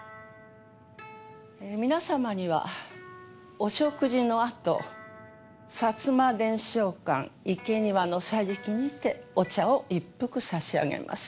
皆様にはお食事のあと薩摩伝承館池庭の桟敷にてお茶を一服差し上げます。